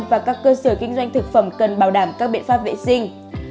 và các cơ sở kinh doanh thực phẩm cần bảo đảm các biện pháp vệ sinh